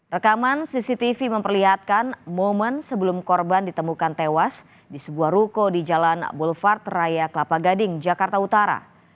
rekaman cctv memperlihatkan momen sebelum korban ditemukan tewas di sebuah ruko di jalan bolvard raya kelapa gading jakarta utara